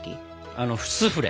あのスフレ！